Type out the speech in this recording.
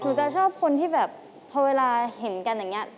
จะชอบคนที่แบบพอเวลาเห็นกันอย่างนี้